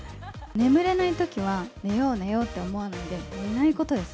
眠れないときは、寝よう寝ようって思わないで、寝ないことです。